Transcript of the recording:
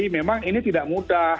memang ini tidak mudah